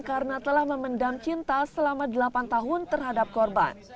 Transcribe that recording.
karena telah memendam cinta selama delapan tahun terhadap korban